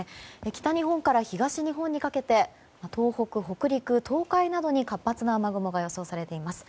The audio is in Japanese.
北日本から東日本にかけて東北、北陸、東海などに活発な雨雲が予想されています。